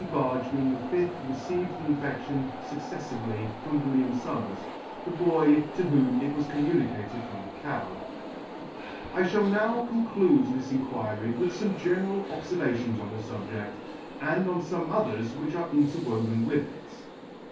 Barge being the fifth who received the infedion fucceflively from William Summers, the boy to whom it was communicated from the cow. I fhall [ 43 ] I fliall now conclude this Inquiry with fome general obfervations on the fubjed, and on fome others which are interwoven with it.